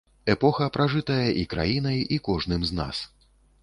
Эпоха, пражытая і краінай, і кожным з нас.